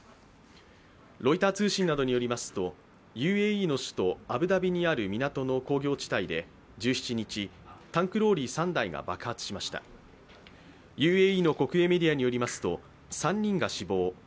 ロイター通信などによりますとＵＡＥの首都アブダビにある港の工業地帯で１７日、タンクローリー３台が爆発しましたＵＡＥの国営メディアによりますと、３人が死亡。